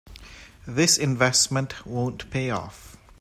This investment won't pay off.